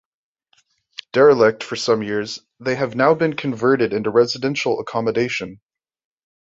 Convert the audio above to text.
Derelict for some years, they have now been converted into residential accommodation.